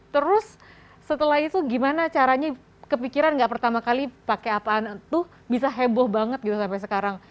terus setelah itu gimana caranya kepikiran gak pertama kali pakai apaan tuh bisa heboh banget gitu sampai sekarang